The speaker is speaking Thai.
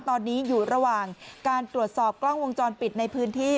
ตอนนี้อยู่ระหว่างการตรวจสอบกล้องวงจรปิดในพื้นที่